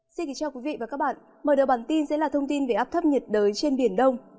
xin kính chào quý vị và các bạn mở đầu bản tin sẽ là thông tin về áp thấp nhiệt đới trên biển đông